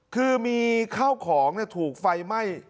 คือมีข้าวของถูกไฟไหม้